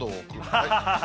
はい。